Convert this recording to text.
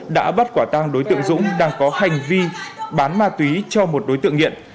đã bắt quả tang đối tượng dũng đang có hành vi bán ma túy cho một đối tượng nghiện